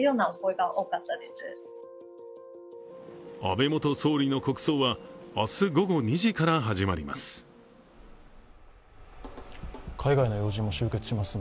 安倍元総理の国葬は明日午後２時から始まります。